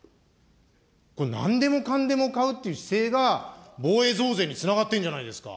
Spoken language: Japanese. これなんでもかんでも買うという姿勢が、防衛増税につながってるんじゃないですか。